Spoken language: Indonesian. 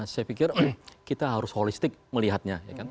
saya pikir kita harus holistik melihatnya